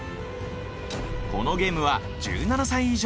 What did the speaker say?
このゲームは１７歳以上が対象。